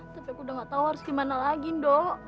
tapi aku udah gak tau harus gimana lagi dok